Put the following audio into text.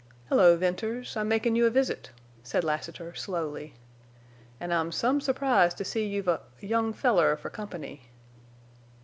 "Hello, Venters! I'm makin' you a visit," said Lassiter, slowly. "An' I'm some surprised to see you've a—a young feller for company."